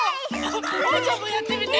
おうちゃんもやってみて。